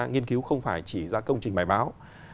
nghiên cứu không phải chỉ ra công trình bài báo